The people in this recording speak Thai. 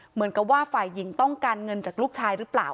เหมือนกับว่าฝ่ายหญิงต้องการเงินจากลูกชายหรือเปล่า